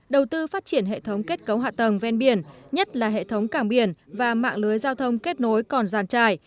đầu tư phát triển hệ thống kết cấu hạ tầng ven biển nhất là hệ thống cảng biển và mạng lưới giao thông kết nối còn giàn trải